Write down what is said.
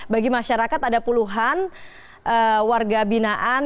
bagi masyarakat ada puluhan warga binaan